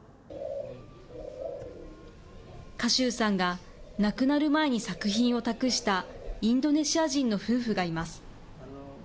賀集さんが亡くなる前に作品を託したインドネシア人の夫婦がいます。